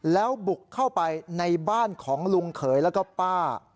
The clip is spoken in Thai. แล้วบุกเข้าไปในบ้านของลุงเขยแล้วก็ป้า